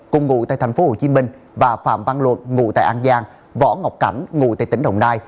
cùng ngụ tại tp hcm và phạm văn luật ngụ tại an giang võ ngọc cảnh ngụ tại tỉnh đồng nai